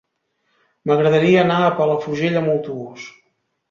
M'agradaria anar a Palafrugell amb autobús.